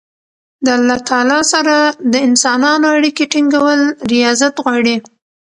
د الله تعالی سره د انسانانو اړیکي ټینګول رياضت غواړي.